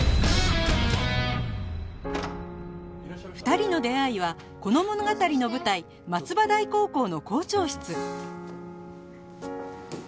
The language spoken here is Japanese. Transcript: ２人の出会いはこの物語の舞台松葉台高校の校長室